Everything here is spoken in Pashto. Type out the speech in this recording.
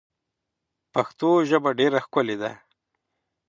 پښتو ژبه ډیر ښکلی ده.